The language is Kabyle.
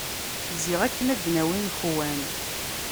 Ziɣ akken ad d-nawi imekwan.